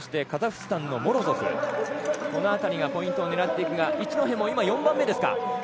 カザフスタンのモロゾフ、このあたりがポイントを狙っていくが、一戸も今４番目ですか。